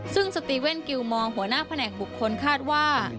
ซึ่งสตีเว่นกิวมองหัวหน้าแผนกบุคคลคาดว่า